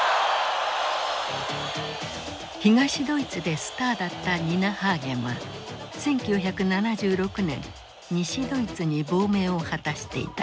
東ドイツでスターだったニナ・ハーゲンは１９７６年西ドイツに亡命を果たしていた。